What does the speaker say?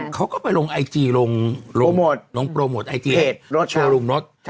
เขาก็ไปลงไอจีลงโปรโมทโชว์ลุงรถ